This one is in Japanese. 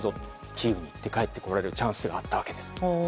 キーウに行って帰ってこられるチャンスがあったわけです。